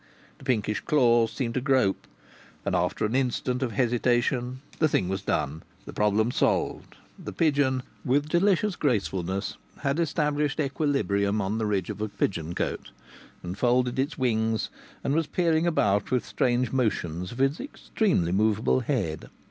The pinkish claws seemed to grope and after an instant of hesitation the thing was done, the problem solved; the pigeon, with delicious gracefulness, had established equilibrium on the ridge of a pigeon cote, and folded its wings, and was peering about with strange motions of its extremely movable head.